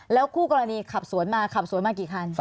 คู่กรณีขับสวนมาขับสวนมากี่คัน